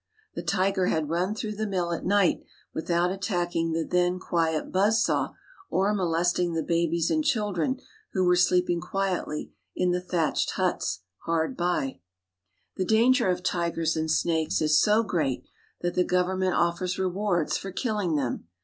The tiger had run through the mill at night without attacking the then quiet buzz saw or molesting the babies and children who were sleeping quietly in the thatched huts hard by. 204 SINGAPORE AND THE MALAYS The danger of tigers and snakes is so great that the government offers rewards for killing them.